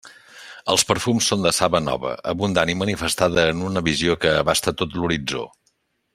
Els perfums són de saba nova, abundant i manifestada en una visió que abasta tot l'horitzó.